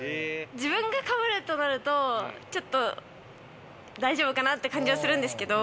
自分がかぶるとなると、ちょっと大丈夫かなって感じはするんですけど、